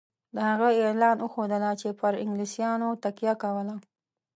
د هغه اعلان وښودله چې پر انګلیسیانو تکیه کوله.